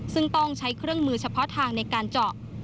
ซึ่งต้องใช้เครื่องมือเฉพาะทางในการเจาะ